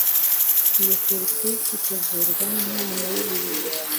iyo politiki itegurwa n'inama y'ubuyobozi